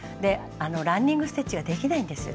ランニング・ステッチができないんですよ